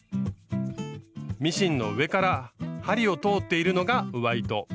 ミシンの上から針を通っているのが上糸。